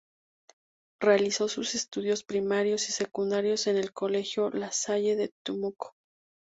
Realizó sus estudios primarios y secundarios en el Colegio La Salle de Temuco.